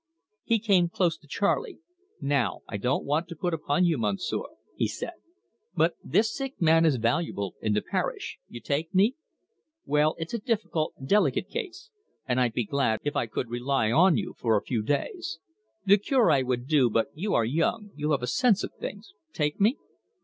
He came close to Charley. "Now, I don't want to put upon you, Monsieur," he said, "but this sick man is valuable in the parish you take me? Well, it's a difficult, delicate case, and I'd be glad if I could rely on you for a few days. The Cure would do, but you are young, you have a sense of things take me?